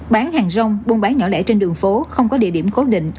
bán hàng rong buôn bán nhỏ lẻ trên đường phố không có địa điểm cố định